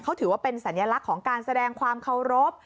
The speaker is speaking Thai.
เขาถือว่าเป็นสัญลักษณ์ของการแสดงความเคารพ